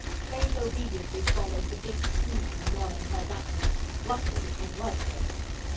Faith obediently swallowed the big spoonful Norman held out to her. Luckily it was good.